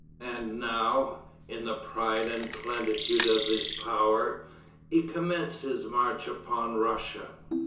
And now, in the pride and plenitude of his power, he commenced his march upon Russia.